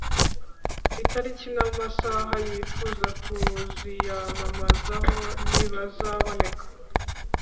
itariki n amasaha yifuza kuziyamamazaho nibazaboneka